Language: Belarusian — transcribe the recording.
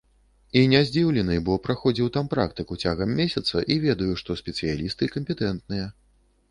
І не здзіўлены, бо праходзіў там практыку цягам месяца і ведаю, што спецыялісты кампетэнтныя.